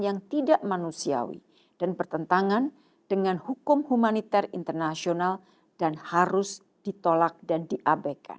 yang tidak manusiawi dan bertentangan dengan hukum humaniter internasional dan harus ditolak dan diabekan